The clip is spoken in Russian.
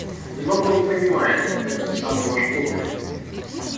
Много он понимает — этот самый ваш Гоголь!